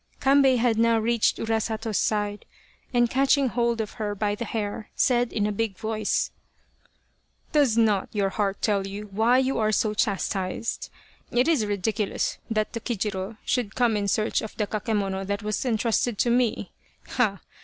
Kambei had now reached Urasato's side, and catching hold of her by the hair, said in a big voice, " Does not your heart tell you why you are so chastized ? It is ridiculous that Tokijiro should come in search of the kakemono that was entrusted to me. Ha